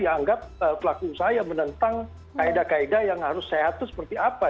dianggap pelaku usaha yang menentang kaedah kaedah yang harus sehat itu seperti apa